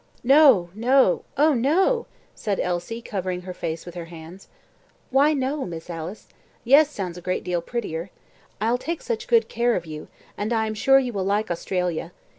"No, no oh, no!" said Elsie, covering her face with her hands. "Why 'No,' Miss Alice? 'Yes' sounds a great deal prettier. I'll take such good care of you, and I am sure you will like Australia.